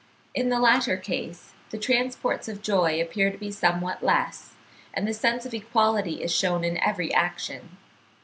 In the latter case the transports of joy appear to be somewhat less, and the sense of equality is shewn in every action.